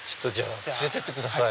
連れてってください